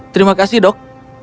terima kasih dok